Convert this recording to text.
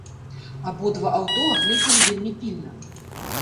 Абодва аўто агледзелі вельмі пільна.